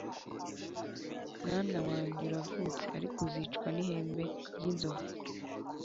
Mwana wanjye uravutse, ariko uzicwa n'ihembe ry' inzovu."